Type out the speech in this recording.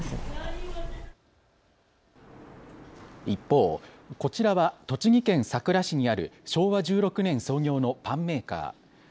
一方、こちらは栃木県さくら市にある昭和１６年創業のパンメーカー。